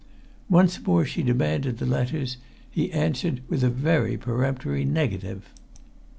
Once more she demanded the letters; he answered with a very peremptory negative.